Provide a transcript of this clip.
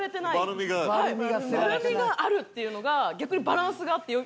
バルみがあるっていうのが逆にバランスがあっていいです。